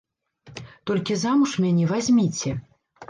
Толькі замуж мяне вазьміце.